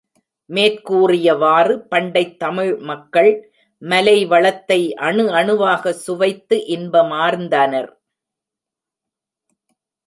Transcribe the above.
மேற்கூறியவாறு, பண்டைத் தமிழ் மக்கள் மலைவளத்தை அணு அணுவாகச் சுவைத்து இன்பமார்ந்தனர்.